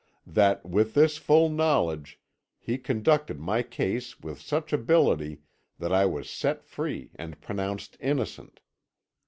"That with this full knowledge he conducted my case with such ability that I was set free and pronounced innocent.